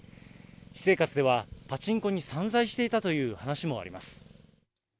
私生活ではパチンコに散在していたという話もあります。